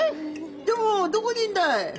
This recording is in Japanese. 「でもどこにいるんだい？」